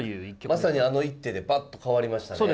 まさにあの一手でパッと変わりましたね。